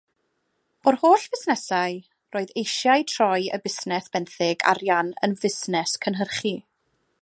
O'r holl fusnesau, roedd eisiau troi y busnes benthyg arian yn fusnes cynhyrchu.